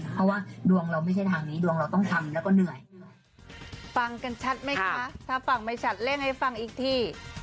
ฟังกันชัดไหมคะถ้าฟังไม่ชัดเล่นให้ฟังอีกที